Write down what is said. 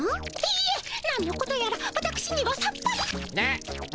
いいえなんのことやらわたくしにはさっぱり。